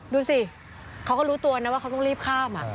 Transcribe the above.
ดูสิเขาก็รู้ตัวนะว่าเขาต้องรีบข้าม